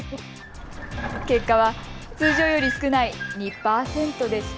結果は通常より少ない２％でした。